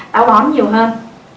táo bón nhiều hơn